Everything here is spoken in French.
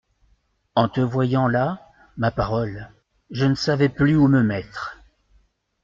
En te voyant là, ma parole, je ne savais plus où me mettre…